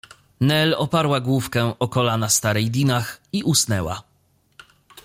Nel oparła główkę o kolana starej Dinah i usnęła.